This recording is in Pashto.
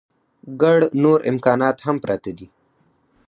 ګڼ نور امکانات هم پراته دي.